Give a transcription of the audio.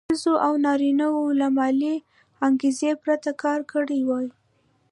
ښځو او نارینه وو له مالي انګېزې پرته کار کړی وای.